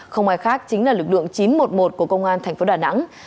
không ai khác chính là lực lượng chín trăm một mươi một của công an tp đà nẵng